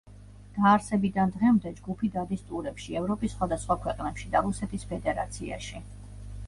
დაარსებიდან დღემდე ჯგუფი დადის ტურებში ევროპის სხვადასხვა ქვეყნებში და რუსეთის ფედერაციაში.